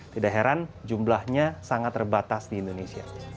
tidak heran jumlahnya sangat terbatas di indonesia